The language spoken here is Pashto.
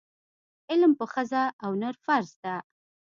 علم په ښځه او نر فرض ده.